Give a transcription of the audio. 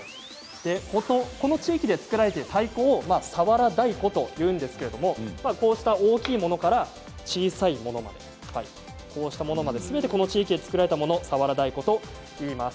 この地域で作られている太鼓を佐原太鼓というんですけれどこうした大きいものから小さいものすべて、この地域で作られたものは佐原太鼓といいます。